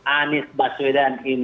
anies baswedan insya allah